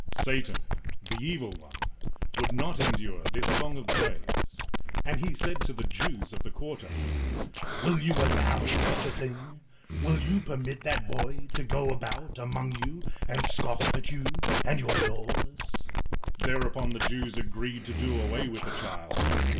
Satan, the evil one, would not endure this song of praise ; and he said to the Jews of the quarter, " Will you allow such a thing? Will you permit that boy to go about among you and scoff at you and your laws ?" Thereupon the Jews agreed to do away with the child.